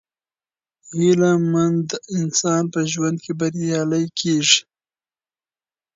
هیله مند انسان په ژوند کې بریالی کیږي.